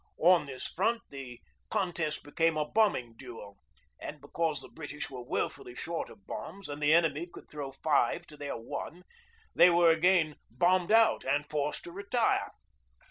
On this front the contest became a bombing duel, and because the British were woefully short of bombs and the enemy could throw five to their one, they were once again 'bombed out' and forced to retire.